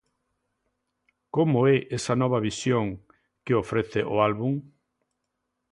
Como é esa nova visión, que ofrece o álbum?